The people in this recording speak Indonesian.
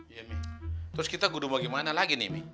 iya mi terus kita gudung bagaimana lagi nih mi